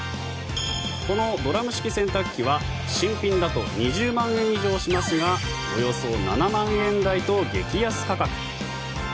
このドラム式洗濯機は新品だと２０万円以上しますがおよそ７万円台と激安価格。